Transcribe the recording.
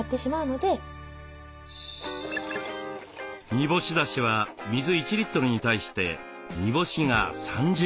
煮干しだしは水１リットルに対して煮干しが３０グラム。